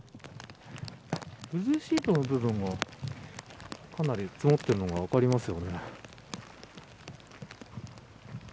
ブルーシートの部分がかなり積もっているのが分かりますよね。